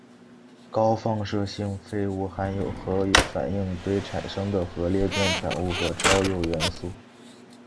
高放射性废物含有核反应堆产生的核裂变产物和超铀元素。